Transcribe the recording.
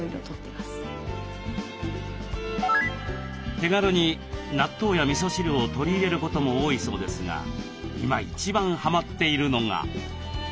手軽に納豆やみそ汁を取り入れることも多いそうですが今一番はまっているのが。